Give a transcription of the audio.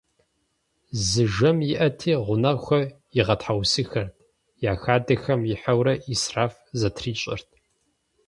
Зы жэм иӀэти, гъунэгъухэр игъэтхьэусыхэрт: я хадэхэм ихьэурэ Ӏисраф зэтрищӀэрт.